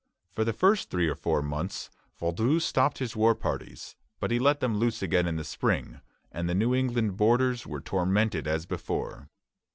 For the first three or four months Vaudreuil stopped his war parties; but he let them loose again in the spring, and the New England borders were tormented as before.